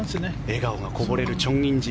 笑顔がこぼれるチョン・インジ。